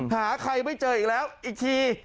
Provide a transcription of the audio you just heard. หาใครไม่เจออีกแล้วอีกที